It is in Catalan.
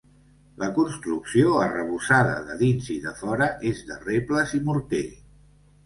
La construcció, arrebossada de dins i de fora, és de rebles i morter.